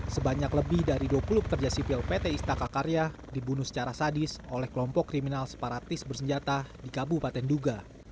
sebanyak lebih dari dua puluh pekerja sipil pt istaka karya dibunuh secara sadis oleh kelompok kriminal separatis bersenjata di kabupaten duga